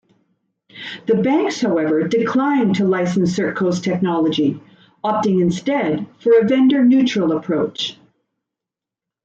The banks, however, declined to license CertCo's technology, opting instead for a vendor-neutral approach.